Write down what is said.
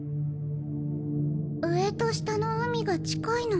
上と下の海が近いの。